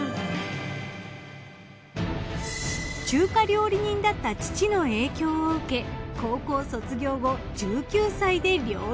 中華料理人だった父の影響を受け高校卒業後１９歳で料理人の道へ。